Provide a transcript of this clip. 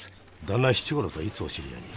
旦那は七五郎といつお知り合いに？